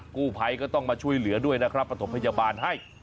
กู้ภัยก็ต้องมาช่วยเหลือด้วยนะครับประถมพยาบาลให้